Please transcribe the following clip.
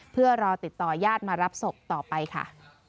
เพื่อรอติดต่อยาดมารับศพต่อไปค่ะ